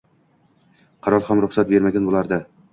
Qarol ham ruxsat bermagan bo`lardi